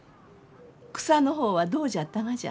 草の方はどうじゃったがじゃ？